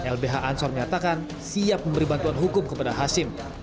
lbh ansor menyatakan siap memberi bantuan hukum kepada hasim